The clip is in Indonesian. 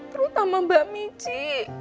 terutama mbak michi